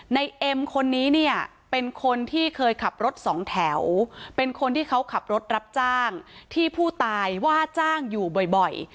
เอ็มคนนี้เนี่ยเป็นคนที่เคยขับรถสองแถวเป็นคนที่เขาขับรถรับจ้างที่ผู้ตายว่าจ้างอยู่บ่อย